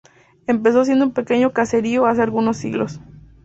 Empezó siendo un pequeño caserío hace algunos siglos.